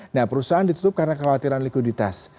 nah perusahaan ditutup karena kekhawatiran likuiditas